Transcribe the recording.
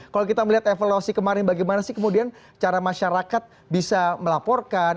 kalau kita melihat evaluasi kemarin bagaimana sih kemudian cara masyarakat bisa melaporkan